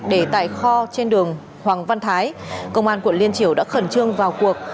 để tại kho trên đường hoàng văn thái công an quận liên triều đã khẩn trương vào cuộc